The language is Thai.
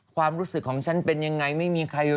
ความรู้สึกของฉันเป็นยังไงไม่มีใครรู้